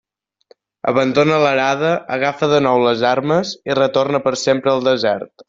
Abandona l'arada, agafa de nou les armes, i retorna per sempre al desert.